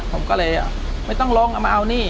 ผมก็เลยไม่ต้องลงเอามาเอานี่